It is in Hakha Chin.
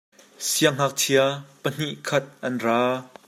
Sianghnakchia pahnih khat an ra.